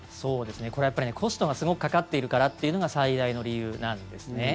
これはコストがすごくかかっているからというのが最大の理由なんですね。